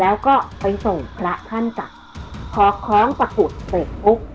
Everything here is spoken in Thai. แล้วก็ไปส่งพระท่านกักพอคล้องประกุฎเตะปุ๊บ